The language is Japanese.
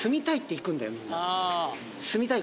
住みたい。